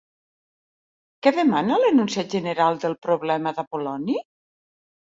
Què demana l'enunciat general del problema d'Apol·loni?